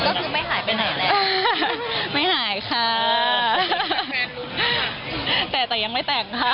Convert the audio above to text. ก็คือไม่หายไปไหนแหละ